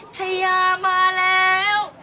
ชายามาแล้ว